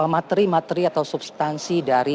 materi materi atau substansi